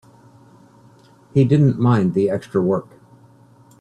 He didn't mind the extra work.